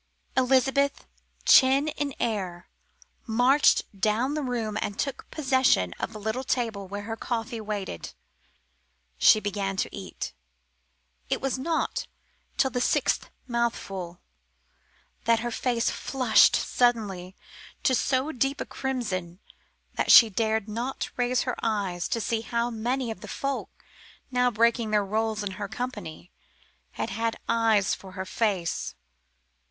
Elizabeth, chin in air, marched down the room and took possession of the little table where her coffee waited her. She began to eat. It was not till the sixth mouthful that her face flushed suddenly to so deep a crimson that she dared not raise her eyes to see how many of the folk now breaking their rolls in her company had had eyes for her face.